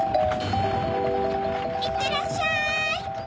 いってらっしゃい！